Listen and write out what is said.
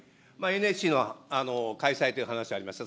ＮＳＣの開催という話ありました。